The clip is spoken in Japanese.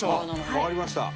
わかりました。